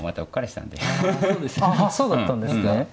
そうだったんですね。